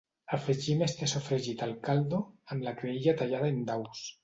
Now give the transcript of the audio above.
Afegim este sofregit al caldo, amb la creïlla tallada en daus.